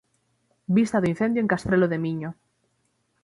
Vista do incendio en Castrelo de Miño.